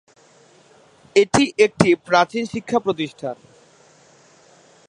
এটি একটি প্রাচীন শিক্ষা প্রতিষ্ঠান।